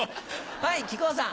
はい木久扇さん。